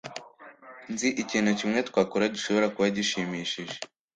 nzi ikintu kimwe twakora gishobora kuba gishimishije